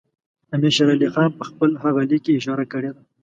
امیر شېر علي خان په خپل هغه لیک کې اشاره کړې ده.